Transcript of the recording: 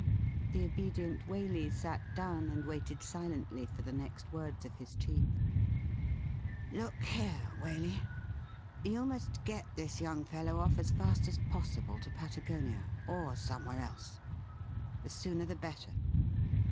The obedient Waley sat down, and waited silently for the next words of his chief. ' Look here, AValey : you must get this young fellow off as fast as possible to Patagonia, or somewhere else. The sooner the better.'